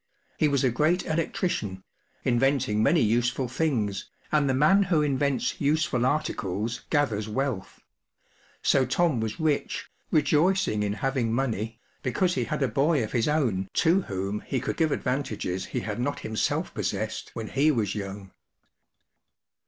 He was a great electrician, inventing many useful things, and the man who invents useful articles gathers wealth ; so Tom was rich, rejoicing in having money, because he had a boy of his own to whom he could give advantages he had not himself possessed when he was young.